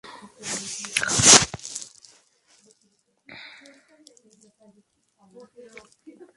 Además, es sede de la Brigada Central de Salvamento Minero.